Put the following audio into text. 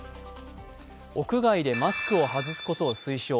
屋外でマスクを外すことを推奨。